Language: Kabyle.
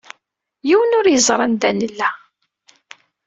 Yiwen ur yeẓri anda nella.